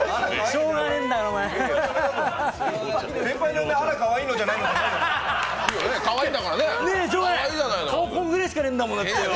先輩の嫁に「あら、かわいい」じゃないよ。